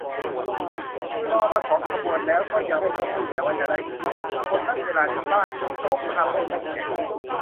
คือรอมาสองขบวนแล้วก็ยังไม่มีวี่แววว่าจะได้ขึ้น คนนัดเวลานี้บ้านอยู่ตรงข้ามออฟฟิศไง